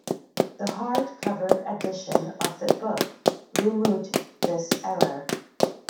The hardcover edition of the book removed this error.